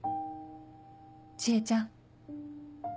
知恵ちゃん。